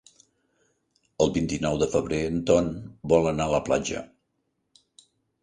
El vint-i-nou de febrer en Ton vol anar a la platja.